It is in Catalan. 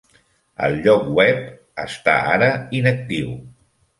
El lloc web està ara inactiu.